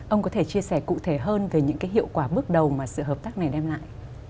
ông có thể chia sẻ cụ thể hơn về những cái hiệu quả bước đầu mà sự hợp tác này đem lại